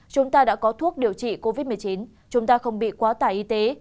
chúng ta đã có thuốc điều trị covid một mươi chín chúng ta không bị quá tải y tế